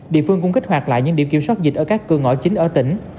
địa phương cũng kích hoạt lại những điểm kiểm soát dịch ở các cửa ngõ chính ở tỉnh